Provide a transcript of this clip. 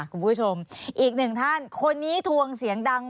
คุณผู้ชมอีกหนึ่งท่านคนนี้ทวงเสียงดัง